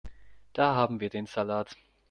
Da haben wir den Salat.